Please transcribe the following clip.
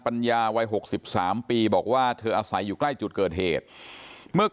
ปัญญาวัย๖๓ปีบอกว่าเธออาศัยอยู่ใกล้จุดเกิดเหตุเมื่อ